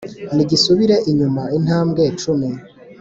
Nigisubire inyuma intambwe cumi